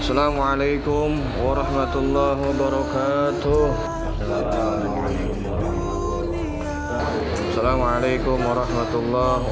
assalamu'alaikum wa rahmatullah wa barakatuh